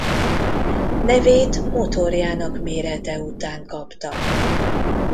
Nevét motorjának mérete után kapta.